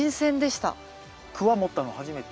クワ持ったの初めて？